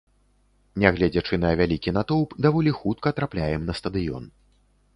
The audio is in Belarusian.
Нягледзячы на вялікі натоўп, даволі хутка трапляем на стадыён.